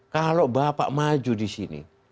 kalau bapak maju di sini